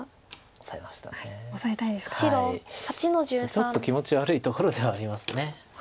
ちょっと気持ち悪いところではあります。